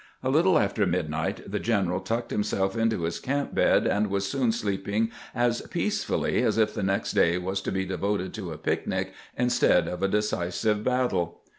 A little after mid CAPTUBING THE WORKS AT PETERSBURG 445 niglit the general tucked Mmself into his camp bed, and was soon sleeping as peacefully as if the next day was to be devoted to a picnic instead of a decisive battle.